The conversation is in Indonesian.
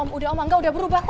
om udah om angga udah berubahnya